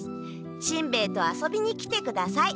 しんべヱと遊びに来てください。